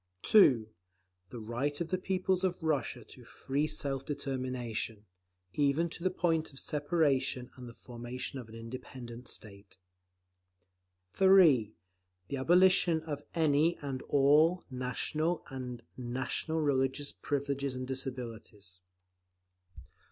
(2) The right of the peoples of Russia to free self determination, even to the point of separation and the formation of an independent state. (3) The abolition of any and all national and national religious privileges and disabilities.